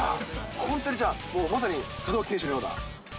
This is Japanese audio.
本当にじゃあ、まさに門脇選手のような？